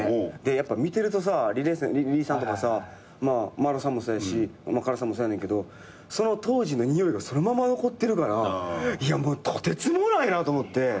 やっぱ見てるとさ李さんとか麿さんもそやし薫さんもそやねんけどその当時のにおいがそのまま残ってるからもうとてつもないなと思って。